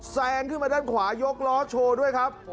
แซงขึ้นมาด้านขวายกล้อโชว์